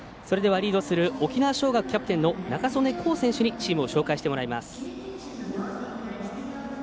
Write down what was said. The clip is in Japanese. リードする沖縄尚学、キャプテンの仲宗根皐選手にチームを紹介してもらいます。